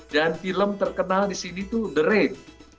dan film terkenal di sini itu the raid